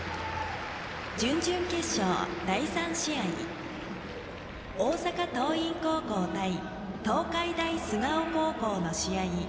準々決勝第３試合、大阪桐蔭高校対東海大菅生高校の試合